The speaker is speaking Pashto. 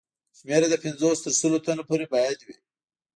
شمېر یې له پنځوس تر سلو تنو پورې باید وي.